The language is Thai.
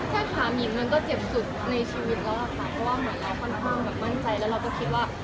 ใช่ครับหินมันก็เจ็บสุดในชีวิตแล้วนะครับก็ว่าเหมือนแล้วท่านพอทางเมื่อก่อนเราก็ที่ว่า